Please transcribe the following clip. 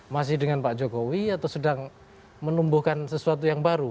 masih dengan pak jokowi atau sedang menumbuhkan sesuatu yang baru